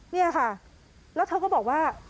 เนี่ยค่ะแล้วเธอก็บอกว่า